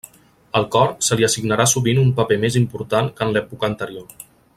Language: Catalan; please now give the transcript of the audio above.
Al cor se li assignarà sovint un paper més important que en l'època anterior.